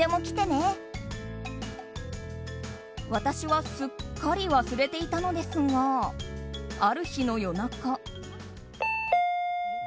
私はすっかり忘れていたのですがある日の夜中。